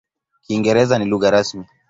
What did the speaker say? Kiingereza ni lugha rasmi.